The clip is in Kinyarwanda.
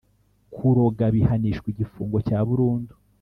Kuroga bihanishwa igifungo cya burundu